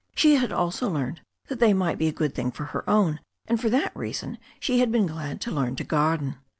She had also learned that they might be a good thing for her own, and for that reason she had been glad to learn to garden.